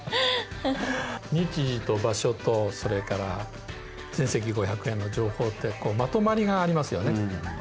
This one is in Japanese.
日時と場所とそれから全席５００円の情報ってまとまりがありますよね。